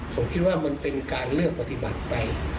ผมคิดว่ามันเป็นการเลือกปฏิบัติไป